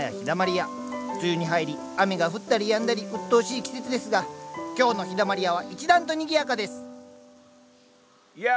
梅雨に入り雨が降ったりやんだりうっとうしい季節ですが今日の陽だまり屋は一段とにぎやかですいや